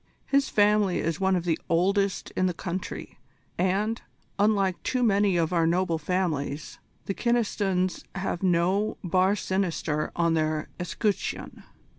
His family is one of the oldest in the country, and, unlike too many of our noble families, the Kynestons have no bar sinister on their escutcheon."